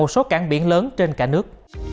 số cảng biển lớn trên cả nước